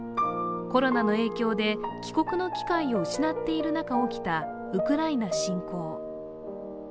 コロナの影響で帰国の機会を失っている中、起きたウクライナ侵攻。